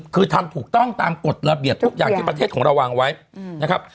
คือทำถูกต้องตามกฎระเบียบทุกอย่างที่ประเทศของเราวางไว้นะครับ